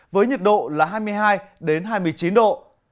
với nhật độ là hai mươi hai đến hai mươi chín độ